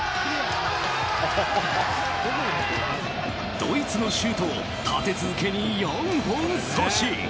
ドイツのシュートを立て続けに４本阻止！